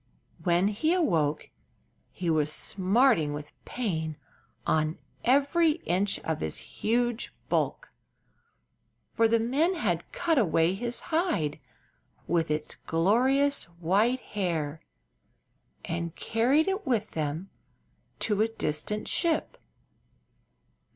When he awoke he was smarting with pain on every inch of his huge bulk, for the men had cut away his hide with its glorious white hair and carried it with them to a distant ship.